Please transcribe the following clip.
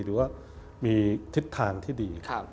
หรือว่ามีทิศทางที่ดี